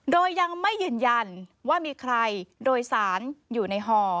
โดยยังไม่ยืนยันว่ามีใครโดยสารอยู่ในห่อ